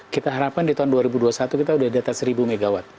kita harapkan di tahun dua ribu dua puluh satu kita sudah di atas seribu mw